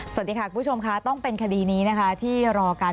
สวัสดีค่ะคุณผู้ชมค่ะต้องเป็นคดีนี้นะคะที่รอกัน